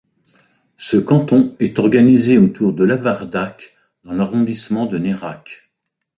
Ce canton est organisé autour de Lavardac dans l'arrondissement de Nérac.